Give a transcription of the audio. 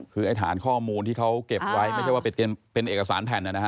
คือไอ้ฐานข้อมูลที่เขาเก็บไว้ไม่ใช่ว่าเป็นเอกสารแผ่นนะฮะ